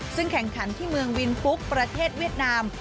ซึ่งแข่งขันที่เมืองวินฟุกประเทศเวียดนาม